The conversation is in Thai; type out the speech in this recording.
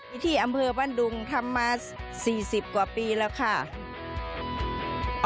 พิธีอำเภาะบ้านดุงทำมา๔๐กว่าปีแล้วครับ